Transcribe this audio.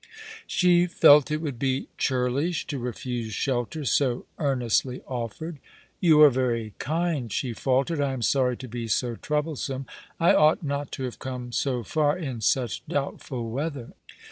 She felt it would be churlish to refuse shelter so earnestly offered. " You are very kind," she faltered. " I am sorry to be so troublesome. I ought not to have come so far in such doubtful weather."